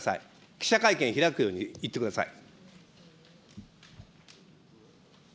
記者会見開くように言ってください。